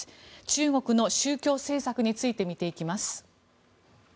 中国の宗教政策について見ていきます。